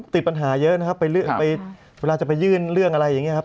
ติดปัญหาเยอะนะครับไปเวลาจะไปยื่นเรื่องอะไรอย่างนี้ครับ